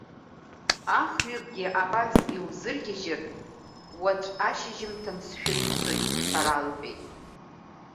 Ахҩыкгьы абас иузыргьежьыр, уаҵә ашьжьымҭан сшәыццот, ҳәа ралҳәеит.